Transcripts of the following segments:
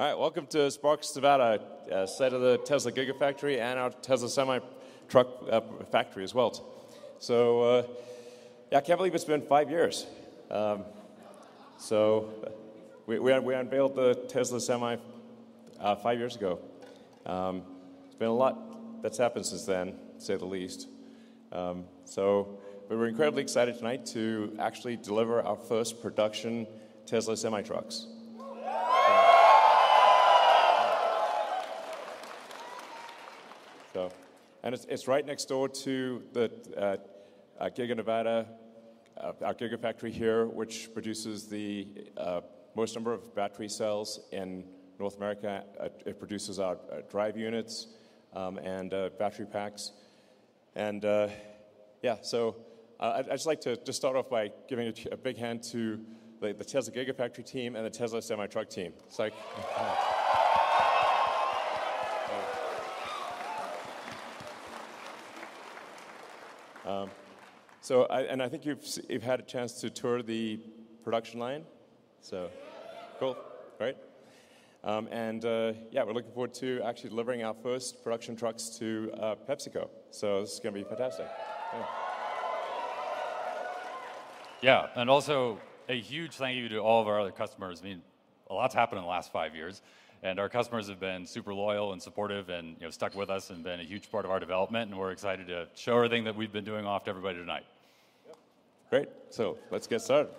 Welcome to Sparks, Nevada, site of the Tesla Gigafactory and our Tesla Semi factory as well. Yeah, I can't believe it's been five years. We unveiled the Tesla Semi five years ago. It's been a lot that's happened since then, to say the least. We're incredibly excited tonight to actually deliver our first production Tesla Semi Trucks. It's right next door to the Giga Nevada, our Gigafactory here, which produces the most number of battery cells in North America. It produces our drive units, battery packs, yeah. I'd just like to start off by giving a big hand to the Tesla Gigafactory team and the Tesla Semi team. It's like- so I... I think you've had a chance to tour the production line. So. Yeah. Cool. Great. Yeah, we're looking forward to actually delivering our first production trucks to PepsiCo, so this is gonna be fantastic. Yeah. Yeah. Also a huge thank you to all of our other customers. I mean, a lot's happened in the last five years, and our customers have been super loyal and supportive and, you know, stuck with us and been a huge part of our development, and we're excited to show everything that we've been doing off to everybody tonight. Yep. Great. Let's get started.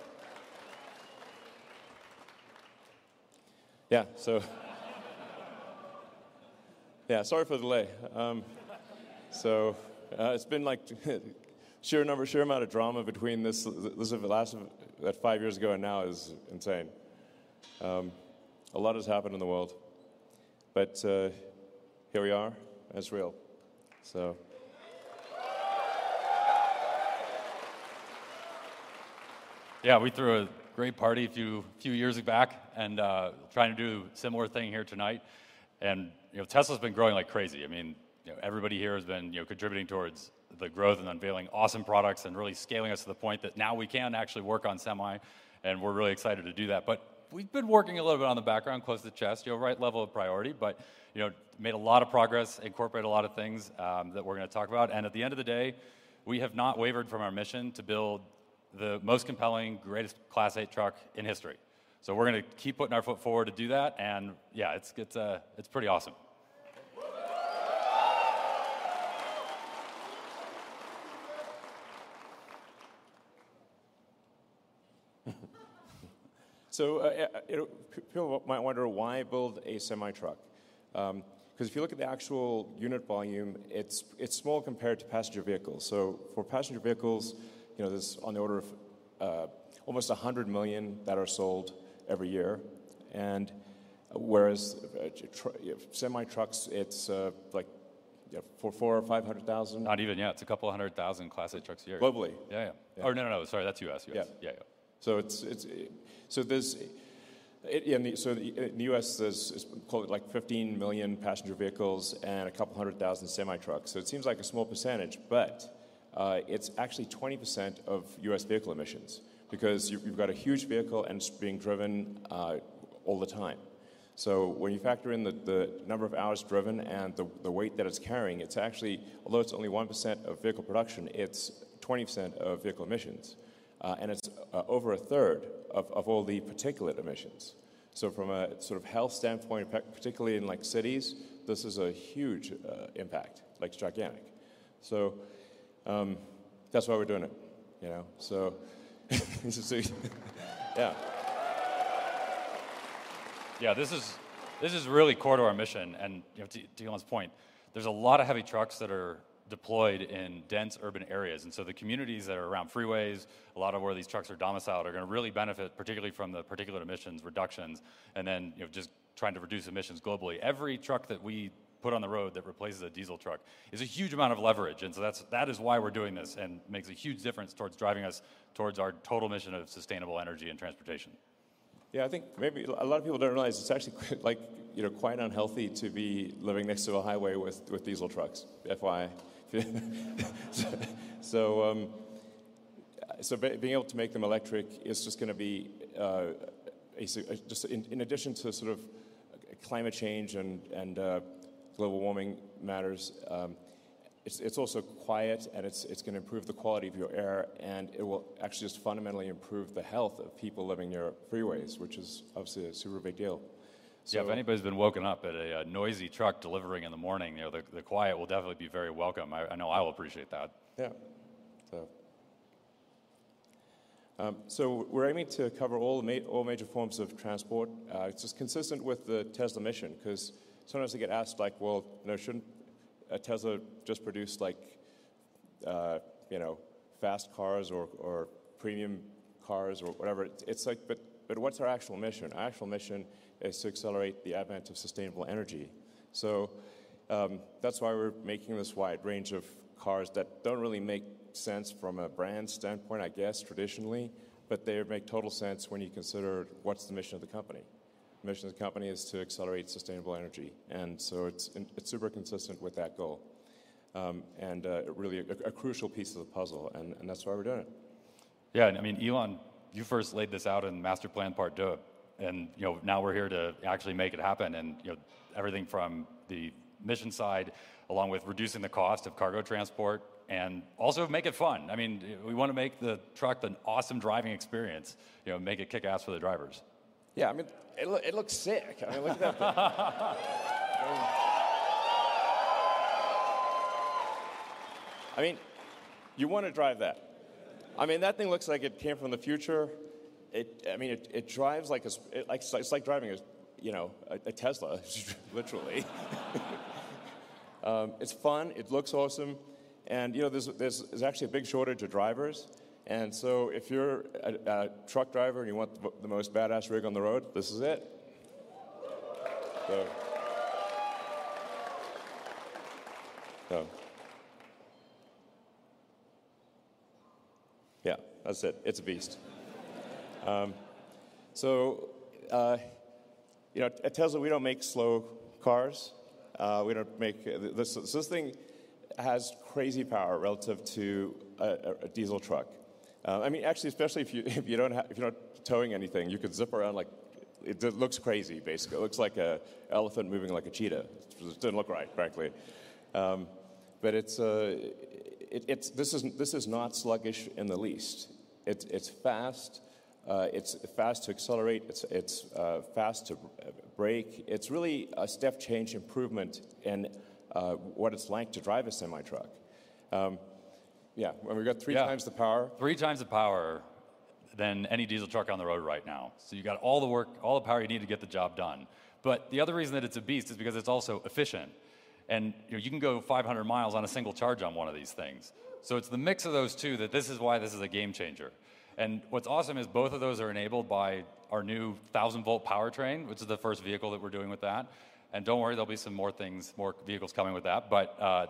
Yeah. Yeah, sorry for the delay. It's been like, sheer number, sheer amount of drama between this, the last, that five years ago and now is insane. A lot has happened in the world, here we are. It's real. Yeah, we threw a great party a few years back, trying to do a similar thing here tonight. You know, Tesla's been growing like crazy. I mean, you know, everybody here has been, you know, contributing towards the growth and unveiling awesome products and really scaling us to the point that now we can actually work on Semi, we're really excited to do that. We've been working a little bit on the background, close to the chest, you know, right level of priority, but, you know, made a lot of progress, incorporated a lot of things that we're gonna talk about. At the end of the day, we have not wavered from our mission to build the most compelling, greatest Class 8 truck in history. We're going to keep putting our foot forward to do that, and yeah, it's pretty awesome. You know, people might wonder why build a semi-truck, 'cause if you look at the actual unit volume, it's small compared to passenger vehicles. For passenger vehicles, you know, there's on the order of almost 100 million that are sold every year and whereas semi-trucks it's like 400,000 or 500,000. Not even, yeah. It's a couple hundred thousand Class 8 trucks a year. Globally. Yeah, yeah. Yeah. No, no. Sorry. That's U.S., U.S. Yeah. Yeah, yeah. There's in the U.S. probably like 15 million passenger vehicles and a couple hundred thousand semi-trucks. It seems like a small percentage, but it's actually 20% of U.S. vehicle emissions because you've got a huge vehicle, and it's being driven all the time. When you factor in the number of hours driven and the weight that it's carrying, it's actually, although it's only 1% of vehicle production, it's 20% of vehicle emissions. It's over a third of all the particulate emissions. From a sort of health standpoint, particularly in like cities, this is a huge impact. Like, it's gigantic. That's why we're doing it, you know. Yeah. Yeah. This is really core to our mission. You know, to Elon's point, there's a lot of heavy trucks that are deployed in dense urban areas. The communities that are around freeways, a lot of where these trucks are domiciled, are gonna really benefit, particularly from the particulate emissions reductions and then, you know, just trying to reduce emissions globally. Every truck that we put on the road that replaces a diesel truck is a huge amount of leverage. That is why we're doing this. It makes a huge difference towards driving us towards our total mission of sustainable energy and transportation. Yeah. I think maybe a lot of people don't realize it's actually quite, like, you know, quite unhealthy to be living next to a highway with diesel trucks, FYI. Being able to make them electric is just gonna be, just in addition to sort of climate change and global warming matters, it's also quiet, and it's gonna improve the quality of your air, and it will actually just fundamentally improve the health of people living near freeways, which is obviously a super big deal. Yeah, if anybody's been woken up by a noisy truck delivering in the morning, you know, the quiet will definitely be very welcome. I know I will appreciate that. Yeah. We're aiming to cover all major forms of transport. It's just consistent with the Tesla mission 'cause sometimes we get asked like, "Well, you know, shouldn't Tesla just produce like, you know, fast cars or premium cars or whatever?" It's like, but what's our actual mission? Our actual mission is to accelerate the advent of sustainable energy. That's why we're making this wide range of cars that don't really make sense from a brand standpoint, I guess, traditionally, but they make total sense when you consider what's the mission of the company. The mission of the company is to accelerate sustainable energy. It's super consistent with that goal, and really a crucial piece of the puzzle, and that's why we're doing it. Yeah, I mean, Elon, you first laid this out in Master Plan, Part Deux, you know, now we're here to actually make it happen and, you know, everything from the mission side, along with reducing the cost of cargo transport and also make it fun. I mean, we wanna make the truck an awesome driving experience, you know, make it kick ass for the drivers. Yeah. I mean, it looks sick. I mean, look at that thing. I mean, you wanna drive that. I mean, that thing looks like it came from the future. I mean, it drives like it's like driving a, you know, a Tesla, literally. It's fun. It looks awesome. You know, there's actually a big shortage of drivers. If you're a truck driver and you want the most badass rig on the road, this is it. Yeah, that's it. It's a beast. You know, at Tesla, we don't make slow cars. This thing has crazy power relative to a diesel truck. I mean, actually, especially if you're not towing anything, you could zip around like, it does looks crazy, basically. It looks like a elephant moving like a cheetah. It doesn't look right, frankly. This is not sluggish in the least. It's fast. It's fast to accelerate. It's fast to brake. It's really a step change improvement in what it's like to drive a semi-truck. Yeah, we've got three times. Yeah. The power. Three times the power than any diesel truck on the road right now. You got all the work, all the power you need to get the job done. The other reason that it's a beast is because it's also efficient, and, you know, you can go 500 mi on a single charge on one of these things. It's the mix of those two that this is why this is a game changer. What's awesome is both of those are enabled by our new 1,000-volt powertrain, which is the first vehicle that we're doing with that. Don't worry, there'll be some more things, more vehicles coming with that.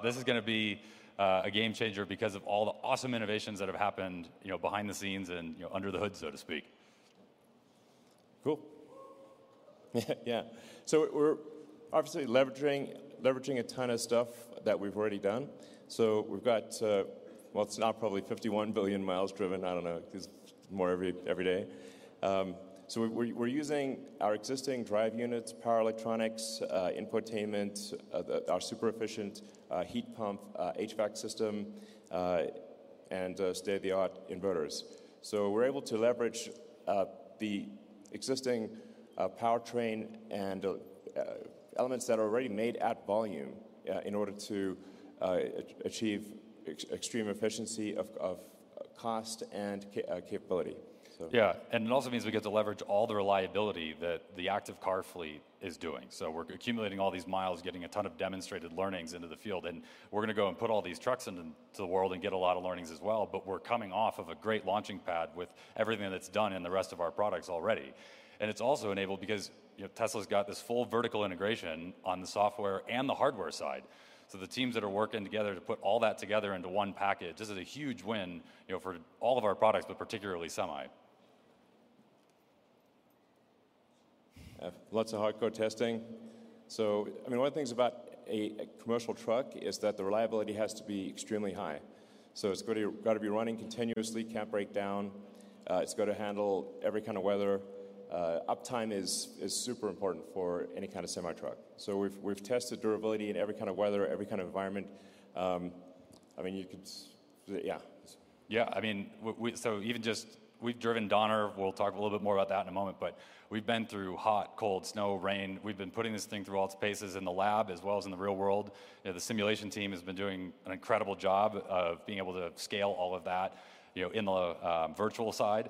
This is gonna be a game changer because of all the awesome innovations that have happened, you know, behind the scenes and, you know, under the hood, so to speak. Cool. Yeah. We're obviously leveraging a ton of stuff that we've already done. We've got, well, it's now probably 51 billion mi driven, I don't know, 'cause more every day. We're using our existing drive units, power electronics, infotainment, the, our super efficient, heat pump, HVAC system, and state-of-the-art inverters. We're able to leverage the existing powertrain and elements that are already made at volume in order to achieve extreme efficiency of cost and capability. Yeah. It also means we get to leverage all the reliability that the active car fleet is doing. We're accumulating all these miles, getting a ton of demonstrated learnings into the field, and we're gonna go and put all these trucks into the world and get a lot of learnings as well, but we're coming off of a great launching pad with everything that's done in the rest of our products already. It's also enabled because, you know, Tesla's got this full vertical integration on the software and the hardware side. The teams that are working together to put all that together into one package, this is a huge win, you know, for all of our products, but particularly Semi. Lots of hardcore testing. I mean, one of the things about a commercial truck is that the reliability has to be extremely high. It's gotta be running continuously, can't break down. It's gotta handle every kind of weather. Uptime is super important for any kind of semi-truck. We've tested durability in every kind of weather, every kind of environment. I mean, you could yeah. Yeah, I mean, even just, we've driven Donner. We'll talk a little bit more about that in a moment, but we've been through hot, cold, snow, rain. We've been putting this thing through all its paces in the lab as well as in the real world. You know, the simulation team has been doing an incredible job of being able to scale all of that, you know, in the virtual side.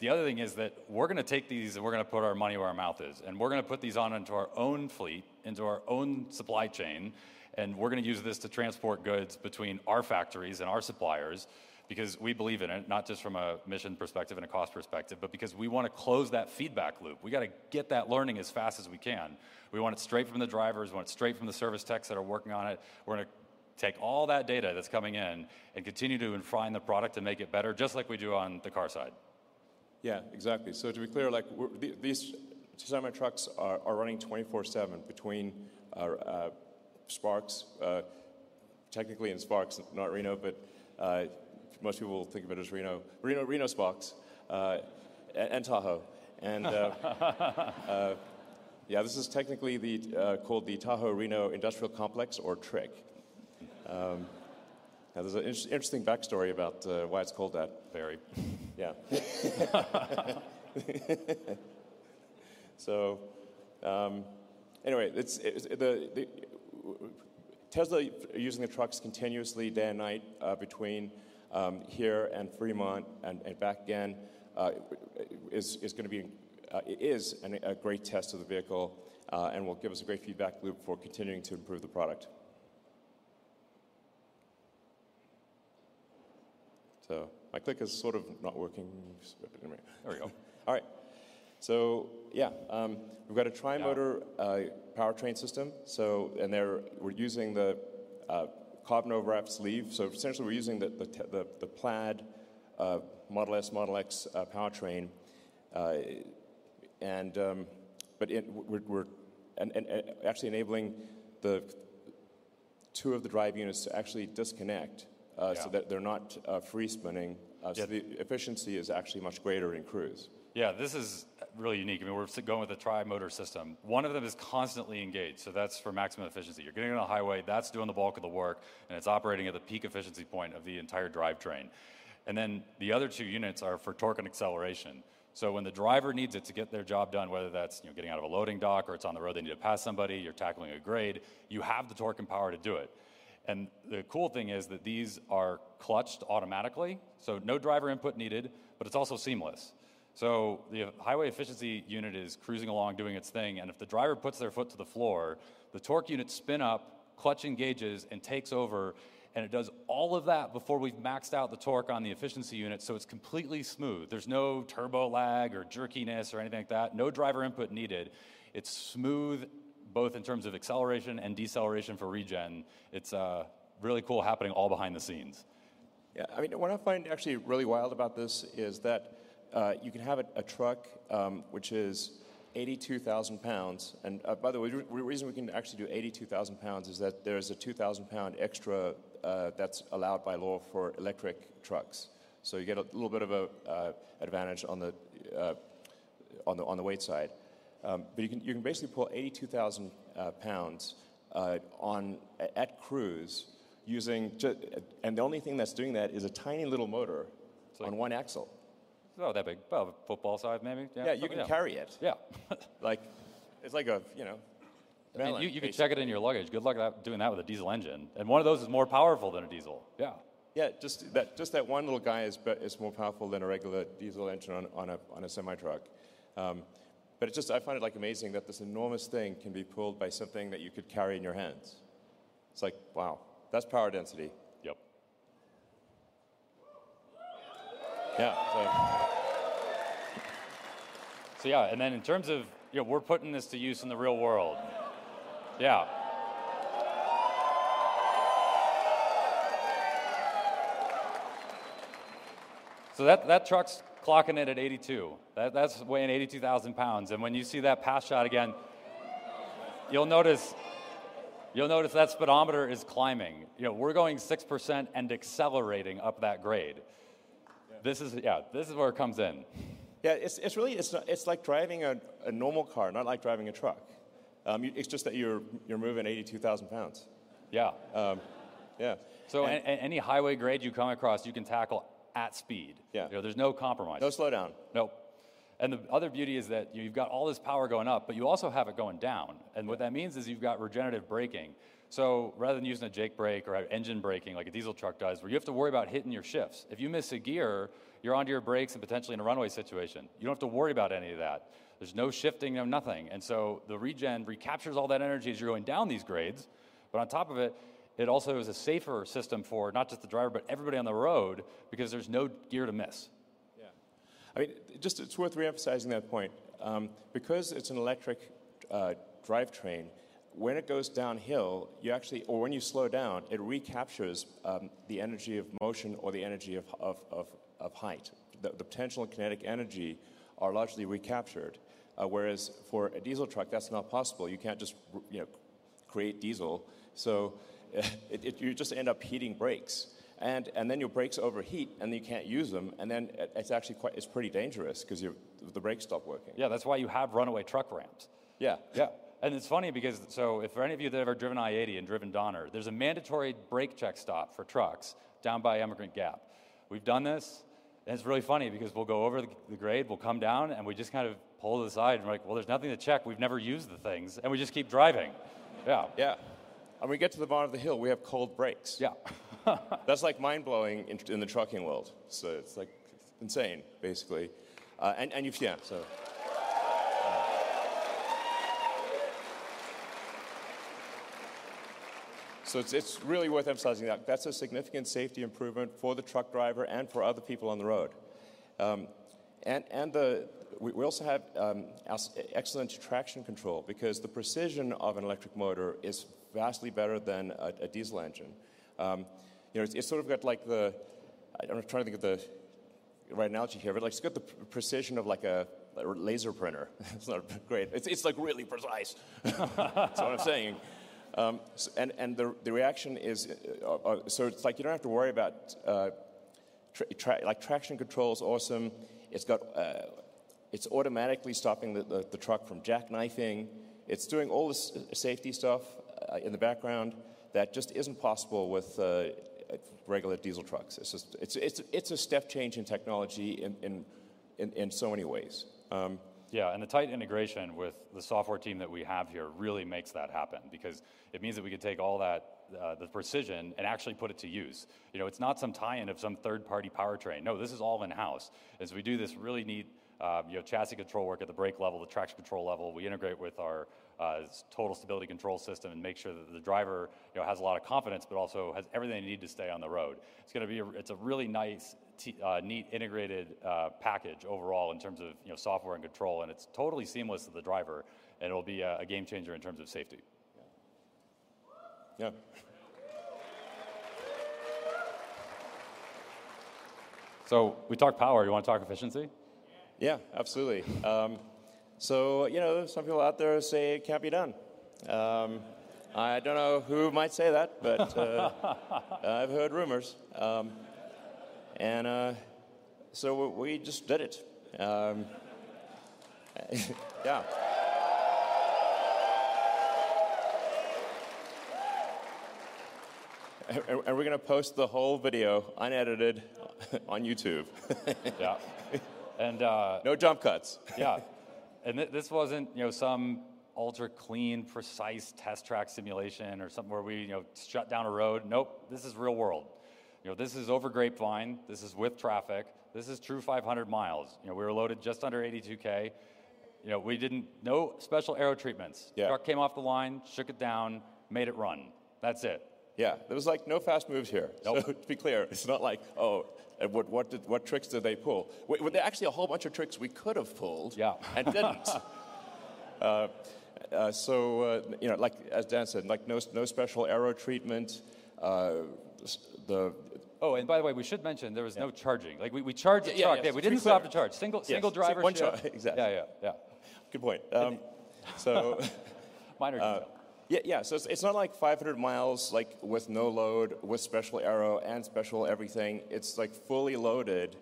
The other thing is that we're gonna take these and we're gonna put our money where our mouth is, and we're gonna put these on into our own fleet, into our own supply chain, and we're gonna use this to transport goods between our factories and our suppliers because we believe in it, not just from a mission perspective and a cost perspective, but because we wanna close that feedback loop. We gotta get that learning as fast as we can. We want it straight from the drivers. We want it straight from the service techs that are working on it. We're gonna take all that data that's coming in and continue to refine the product and make it better, just like we do on the car side. Yeah, exactly. To be clear, like these semi-trucks are running 24/7 between Sparks, technically in Sparks, not Reno, but most people think of it as Reno/Sparks, and Tahoe. Yeah, this is technically the called the Tahoe Reno Industrial Complex or TRIC. Now there's an interesting backstory about why it's called that. Very. Yeah. Anyway, it's the Tesla are using the trucks continuously day and night between here and Fremont and back again is gonna be is a great test of the vehicle and will give us a great feedback loop for continuing to improve the product. My clicker's sort of not working. Just wait a minute. There we go. All right. Yeah, we've got a tri-motor. Yeah Powertrain system. We're using the carbon overwrapped sleeve. essentially we're using the Plaid Model S, Model X powertrain. We're and actually enabling two of the drive units actually disconnect. Yeah So that they're not, free spinning. Yeah. The efficiency is actually much greater in cruise. Yeah, this is really unique. I mean, we're going with a tri-motor system. One of them is constantly engaged, so that's for maximum efficiency. You're getting on a highway, that's doing the bulk of the work, and it's operating at the peak efficiency point of the entire drivetrain. The other two units are for torque and acceleration. When the driver needs it to get their job done, whether that's, you know, getting out of a loading dock or it's on the road, they need to pass somebody, you're tackling a grade, you have the torque and power to do it. The cool thing is that these are clutched automatically, so no driver input needed, but it's also seamless. The highway efficiency unit is cruising along, doing its thing, and if the driver puts their foot to the floor, the torque units spin up, clutch engages and takes over, and it does all of that before we've maxed out the torque on the efficiency unit, so it's completely smooth. There's no turbo lag or jerkiness or anything like that. No driver input needed. It's smooth both in terms of acceleration and deceleration for regen. It's really cool happening all behind the scenes. Yeah. I mean, what I find actually really wild about this is that, you can have a truck, which is 82,000 lbs. By the way, reason we can actually do 82,000 lbs is that there's a 2,000-lb extra, that's allowed by law for electric trucks. You get a little bit of a advantage on the, on the, on the weight side. You can, you can basically pull 82,000 lbs at cruise using and the only thing that's doing that is a tiny little motor- It's like. On one axle. It's not that big. About football size maybe. Yeah. Yeah. Yeah, you can carry it. Yeah. Like, it's like a, you know, vanilla case. You could check it in your luggage. Good luck at doing that with a diesel engine. One of those is more powerful than a diesel. Yeah. Yeah. Just that one little guy is more powerful than a regular diesel engine on a semi-truck. I find it, like, amazing that this enormous thing can be pulled by something that you could carry in your hands. It's like, wow, that's power density. Yep. Yeah. In terms of, you know, we're putting this to use in the real world. That truck's clocking in at 82. That's weighing 82,000 lbs. When you see that pass shot again, you'll notice that speedometer is climbing. You know, we're going 6% and accelerating up that grade. Yeah. Yeah, this is where it comes in. Yeah, it's really like driving a normal car, not like driving a truck. It's just that you're moving 82,000 lbs. Yeah. Yeah. Any highway grade you come across, you can tackle at speed. Yeah. You know, there's no compromise. No slowdown. Nope. The other beauty is that, you know, you've got all this power going up, but you also have it going down. Yeah. What that means is you've got regenerative braking. Rather than using a Jake Brake or engine braking like a diesel truck does, where you have to worry about hitting your shifts. If you miss a gear, you're onto your brakes and potentially in a runaway situation. You don't have to worry about any of that. There's no shifting, no nothing. The regen recaptures all that energy as you're going down these grades, but on top of it also is a safer system for not just the driver, but everybody on the road because there's no gear to miss. Yeah. I mean, just it's worth re-emphasizing that point. It's an electric drivetrain, when it goes downhill, you actually or when you slow down, it recaptures the energy of motion or the energy of height. The potential and kinetic energy are largely recaptured, whereas for a diesel truck, that's not possible. You can't just you know, create diesel. It, you just end up heating brakes. Then your brakes overheat, and then you can't use them, and then it's actually it's pretty dangerous 'cause your, the brakes stop working. Yeah, that's why you have runaway truck ramps. Yeah. Yeah. It's funny because, if for any of you that have ever driven I-80 and driven Donner, there's a mandatory brake check stop for trucks down by Emigrant Gap. We've done this, and it's really funny because we'll go over the grade, we'll come down, and we just kind of pull to the side and we're like, "Well, there's nothing to check. We've never used the things," and we just keep driving. Yeah. Yeah. We get to the bottom of the hill, we have cold brakes. Yeah. That's like mind-blowing in the trucking world. It's, like, insane, basically. Yeah, so. It's really worth emphasizing that. That's a significant safety improvement for the truck driver and for other people on the road. We also have excellent traction control because the precision of an electric motor is vastly better than a diesel engine. You know, it's sort of got like I'm trying to think of the right analogy here, but, like, it's got the precision of, like, a laser printer. It's not great. It's, like, really precise. That's what I'm saying. The reaction is it's like you don't have to worry about like traction control is awesome. It's got, it's automatically stopping the truck from jackknifing. It's doing all this safety stuff in the background that just isn't possible with regular diesel trucks. It's just, it's a step change in technology in so many ways. Yeah, and the tight integration with the software team that we have here really makes that happen because it means that we can take all that, the precision and actually put it to use. You know, it's not some tie-in of some third-party powertrain. No, this is all in-house, is we do this really neat, you know, chassis control work at the brake level, the traction control level. We integrate with our total stability control system and make sure that the driver, you know, has a lot of confidence, but also has everything they need to stay on the road. It's a really nice neat, integrated package overall in terms of, you know, software and control, and it's totally seamless to the driver, and it'll be a game changer in terms of safety. Yeah. Yeah. We talked power. You wanna talk efficiency? Yeah, absolutely. You know, some people out there say it can't be done. I don't know who might say that, but I've heard rumors. We just did it. Yeah. We're gonna post the whole video unedited on YouTube. Yeah. No jump cuts. Yeah. This wasn't, you know, some ultra-clean, precise test track simulation or something where we, you know, shut down a road. Nope. This is real world. You know, this is over Grapevine. This is with traffic. This is true 500 mi. You know, we were loaded just under 82,000 lbs. You know, we didn't. No special aero treatments. Yeah. Truck came off the line, shook it down, made it run. That's it. Yeah. There was, like, no fast moves here. Nope. To be clear, it's not like, oh, what tricks did they pull? Were there actually a whole bunch of tricks we could've pulled. Yeah. Didn't. You know, like, as Dan said, like, no special aero treatment. Oh, by the way, we should mention there was-. Yeah No charging. Like, we charged it. Yeah, yeah. We free charged. We didn't stop to charge. Single. Yes Single driver. Exactly. Yeah, yeah. Yeah. Good point. Minor detail. Yeah, yeah, it's not, like, 500 mi, like, with no load, with special aero and special everything. It's, like, fully loaded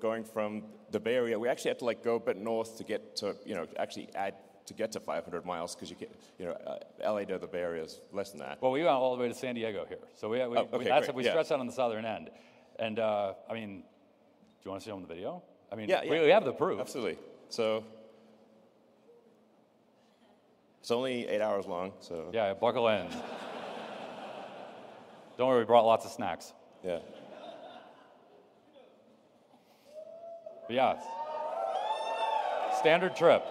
going from the Bay Area. We actually had to, like, go a bit north to get to, you know, to actually add to get to 500 mi 'cause you can... You know, L.A. to the Bay Area is less than that. Well, we went all the way to San Diego here. Oh, okay. Great. Yeah. We, that's, we stressed out on the southern end. I mean, do you wanna show 'em the video? I mean. Yeah, yeah. We have the proof. Absolutely. It's only eight hours long. Yeah, buckle in. Don't worry, we brought lots of snacks. Yeah. Yeah. Standard trip.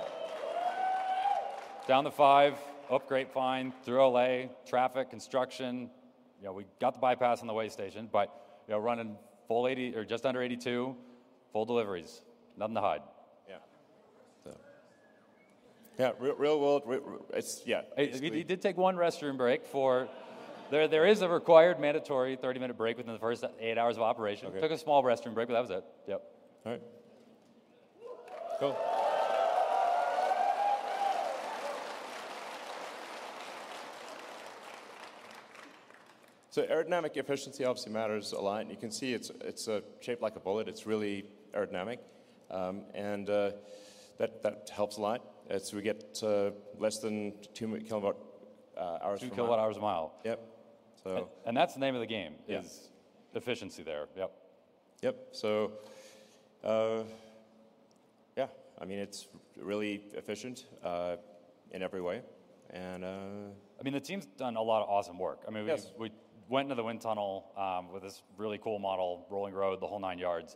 Down the Five, up Grapevine, through L.A., traffic, construction. You know, we got the bypass and the weigh station, you know, running full 80, or just under 82, full deliveries. Nothing to hide. Yeah. Yeah, real world It's, yeah. It, we did take one restroom break. There is a required mandatory 30-minute break within the first 8 hours of operation. Okay. Took a small restroom break, but that was it. Yep. All right. Aerodynamic efficiency obviously matters a lot, and you can see it's shaped like a bullet. It's really aerodynamic. That helps a lot as we get to less than 2 kWh. 2 kWh a mile. Yep. That's the name of the game. Yeah... is efficiency there. Yep. Yep. Yeah, I mean, it's really efficient in every way. I mean, the team's done a lot of awesome work. I mean. Yes... we went into the wind tunnel, with this really cool model, rolling road, the whole nine yards,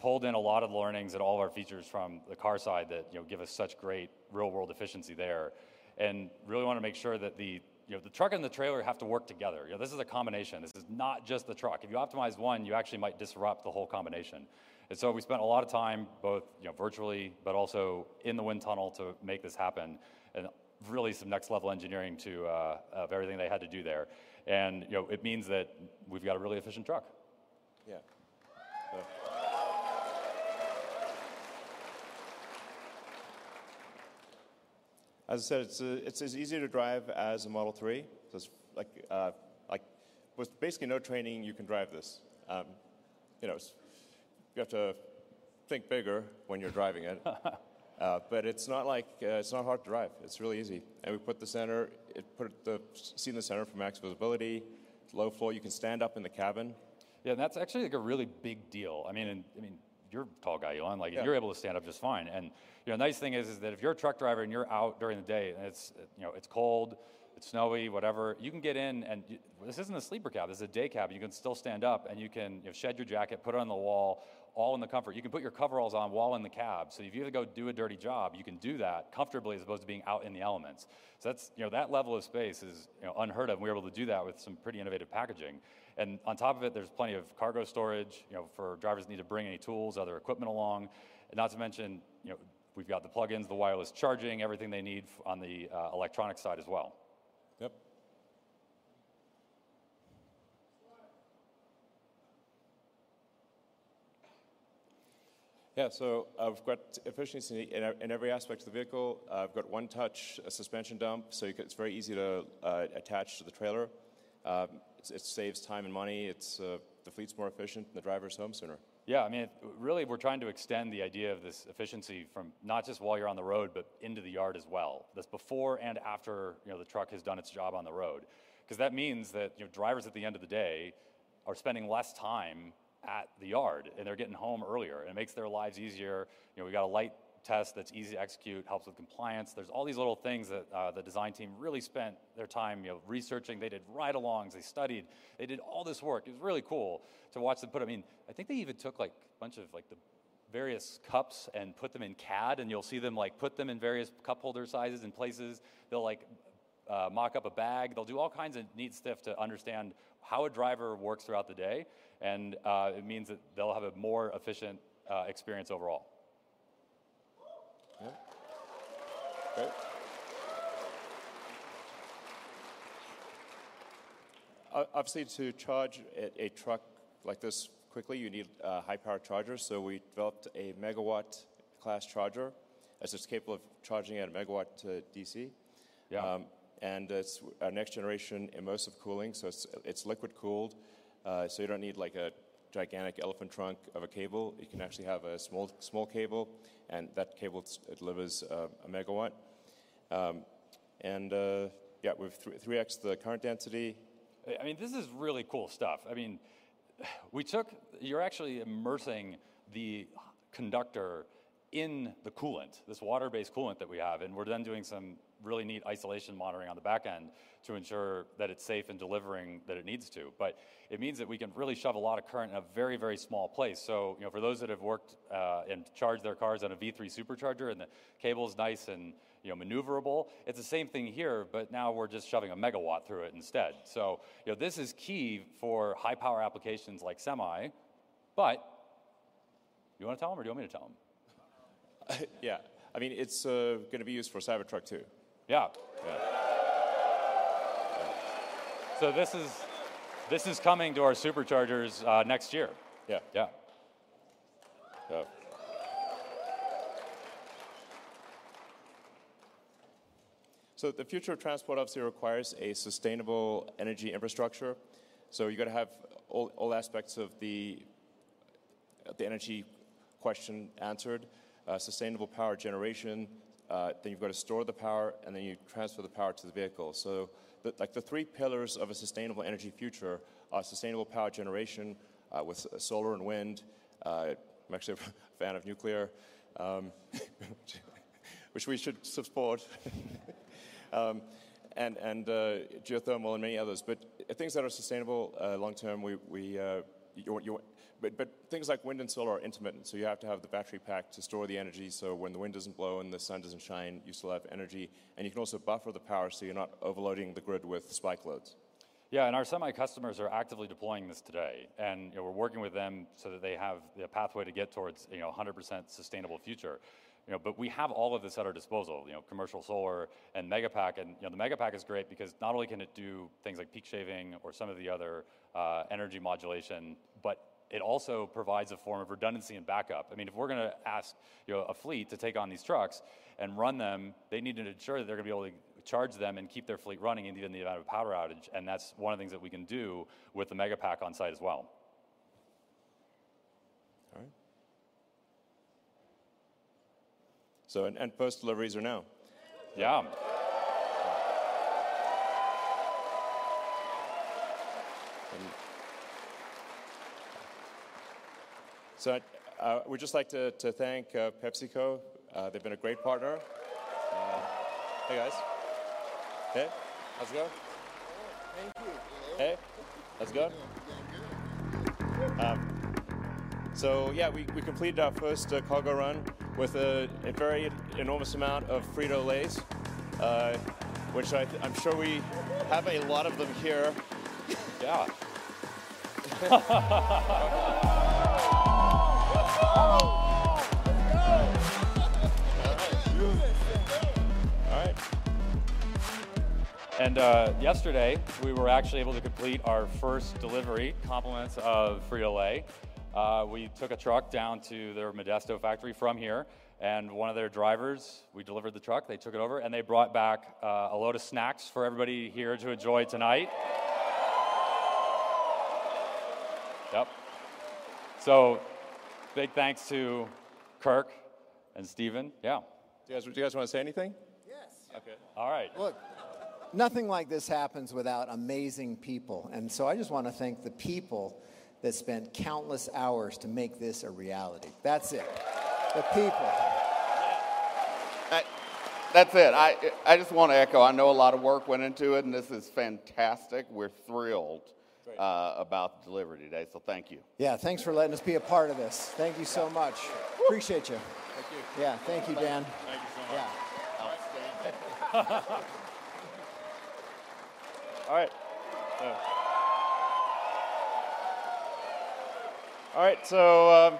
pulled in a lot of learnings and all of our features from the car side that, you know, give us such great real-world efficiency there. Really wanna make sure that the, you know, the truck and the trailer have to work together. You know, this is a combination. This is not just the truck. If you optimize one, you actually might disrupt the whole combination. So we spent a lot of time both, you know, virtually, but also in the wind tunnel to make this happen, really some next-level engineering to of everything they had to do there. You know, it means that we've got a really efficient truck. Yeah. As I said, it's as easy to drive as a Model 3. Just, like, with basically no training, you can drive this. You know, you have to think bigger when you're driving it. It's not like, it's not hard to drive. It's really easy. We put the seat in the center for max visibility. Low floor, you can stand up in the cabin. Yeah, that's actually, like, a really big deal. I mean, I mean, you're a tall guy, Elon. Yeah. Like, you're able to stand up just fine. you know, the nice thing is that if you're a truck driver and you're out during the day, and it's, you know, it's cold, it's snowy, whatever, you can get in, and this isn't a sleeper cab. This is a day cab, and you can still stand up, and you can, you know, shed your jacket, put it on the wall, all in the comfort. You can put your coveralls on while in the cab. If you have to go do a dirty job, you can do that comfortably as opposed to being out in the elements. That's, you know, that level of space is, you know, unheard of, and we were able to do that with some pretty innovative packaging. On top of it, there's plenty of cargo storage, you know, for drivers who need to bring any tools, other equipment along. Not to mention, you know, we've got the plug-ins, the wireless charging, everything they need on the electronics side as well. Yep. Yeah, we've got efficiency in every aspect of the vehicle. We've got one-touch suspension dump, it's very easy to attach to the trailer. It saves time and money. It's the fleet's more efficient, the driver's home sooner. I mean, really, we're trying to extend the idea of this efficiency from not just while you're on the road, but into the yard as well. This before and after, you know, the truck has done its job on the road because that means that, you know, drivers at the end of the day are spending less time at the yard, and they're getting home earlier, and it makes their lives easier. You know, we got a light test that's easy to execute, helps with compliance. There's all these little things that the design team really spent their time, you know, researching. They did ride-alongs, they studied, they did all this work. It was really cool to watch them put them in. I think they even took, like, a bunch of, like, the various cups and put them in CAD, and you'll see them, like, put them in various cup holder sizes and places. They'll, like, mock up a bag. They'll do all kinds of neat stuff to understand how a driver works throughout the day, and it means that they'll have a more efficient experience overall. Yeah. Great. Obviously, to charge a truck like this quickly, you need high-powered chargers. We developed a megawatt-class charger, as it's capable of charging at a megawatt to DC. Yeah. It's our next generation immersive cooling, so it's liquid-cooled. You don't need like a gigantic elephant trunk of a cable. You can actually have a small cable, and that cable delivers a megawatt. We've 3x'd the current density. I mean, this is really cool stuff. You're actually immersing the conductor in the coolant, this water-based coolant that we have, and we're then doing some really neat isolation monitoring on the backend to ensure that it's safe and delivering what it needs to. It means that we can really shove a lot of current in a very, very small place. You know, for those that have worked and charged their cars on a V3 Supercharger and the cable's nice and, you know, maneuverable, it's the same thing here. Now we're just shoving 1 MW through it instead. You know, this is key for high-power applications like Semi. You wanna tell them or do you want me to tell them? Yeah. I mean, it's, gonna be used for Cybertruck too. Yeah. This is coming to our Superchargers, next year. Yeah. Yeah. Yeah. The future of transport obviously requires a sustainable energy infrastructure, you're gotta have all aspects of the energy question answered. Sustainable power generation, then you've got to store the power, and then you transfer the power to the vehicle. Like, the three pillars of a sustainable energy future are sustainable power generation with solar and wind. I'm actually a fan of nuclear, which we should support, and geothermal and many others. Things that are sustainable, long-term, we, you want. Things like wind and solar are intermittent, so you have to have the battery pack to store the energy, so when the wind doesn't blow and the sun doesn't shine, you still have energy. You can also buffer the power so you're not overloading the grid with spike loads. Yeah, our Semi customers are actively deploying this today. You know, we're working with them so that they have the pathway to get towards, you know, a 100% sustainable future. You know, we have all of this at our disposal, you know, commercial solar and Megapack, and, you know, the Megapack is great because not only can it do things like peak shaving or some of the other energy modulation, but it also provides a form of redundancy and backup. I mean, if we're gonna ask, you know, a fleet to take on these trucks and run them, they need to ensure that they're gonna be able to charge them and keep their fleet running in the event of a power outage, and that's one of the things that we can do with the Megapack on-site as well. All right. First deliveries are now. Yeah. We'd just like to thank PepsiCo. They've been a great partner. Hey, guys. Hey. How's it going? Thank you. Hey. How's it going? Good. Good. Yeah, we completed our first cargo run with a very enormous amount of Frito-Lay, which I'm sure we have a lot of them here. Yeah. Let's go! All right. Yesterday, we were actually able to complete our first delivery, compliments of Frito-Lay. We took a truck down to their Modesto factory from here, and one of their drivers, we delivered the truck, they took it over, and they brought back a load of snacks for everybody here to enjoy tonight. Yep. Big thanks to Kirk and Steven. Yeah. Do you guys wanna say anything? Yes. Okay. All right. Look, nothing like this happens without amazing people, and so I just wanna thank the people that spent countless hours to make this a reality. That's it. The people. Yeah. That's it. I just wanna echo, I know a lot of work went into it. This is fantastic. We're thrilled. Great About the delivery today. Thank you. Thanks for letting us be a part of this. Thank you so much. Yeah. Appreciate you. Thank you. Yeah. Thank you, Dan. Thank you so much. Yeah. Thanks, Dan. All right. Yeah. All right.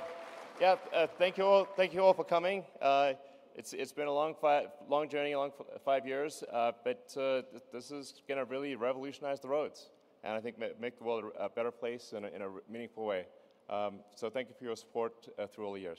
Yeah, thank you all for coming. It's been a long journey, a long five years, but this is gonna really revolutionize the roads, and I think make the world a better place in a meaningful way. Thank you for your support through all the years.